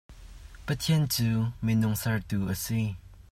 Pathian cu minung ser tu a si.